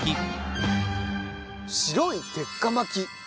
白い鉄火巻きです。